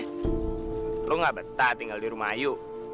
kamu nggak betah tinggal di rumah ayu